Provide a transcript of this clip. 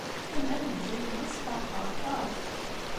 Tenna-d deg wul-nnes, Feṛḥeɣ aṭas.